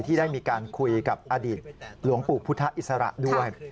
ที่ได้มีการคุยกับอดีตหลวงปู่พุทธอิสระด้วย